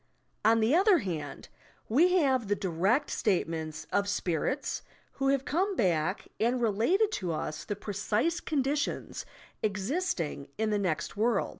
On the other hand, we have the direct statements of "spirits" who have come back and related to us the pre cise conditions existing in the next world.